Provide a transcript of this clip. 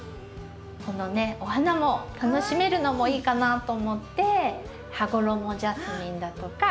このねお花も楽しめるのもいいかなと思ってハゴロモジャスミンだとか。